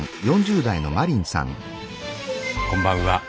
こんばんは。